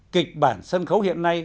kịch bản sân khấu hiện nay